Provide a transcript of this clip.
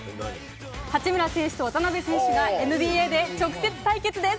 八村選手と渡邊選手がＮＢＡで直接対決です。